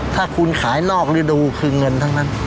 ถ้าคุณขายนอกฤดูคือเงินทั้งนั้น